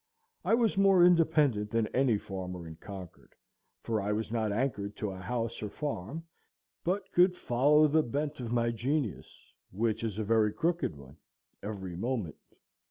I was more independent than any farmer in Concord, for I was not anchored to a house or farm, but could follow the bent of my genius, which is a very crooked one, every moment.